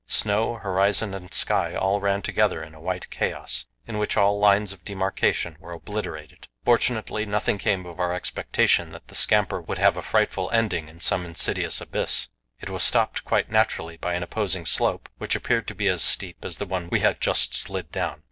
Snow, horizon and sky all ran together in a white chaos, in which all lines of demarcation were obliterated. Fortunately nothing came of our expectation that the scamper would have a frightful ending in some insidious abyss. It was stopped quite naturally by an opposing slope, which appeared to be as steep as the one we had just slid down.